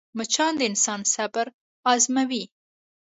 مچان د انسان صبر ازموي